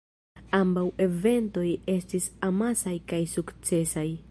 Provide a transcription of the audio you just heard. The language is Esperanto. Ambaŭ eventoj estis amasaj kaj sukcesaj.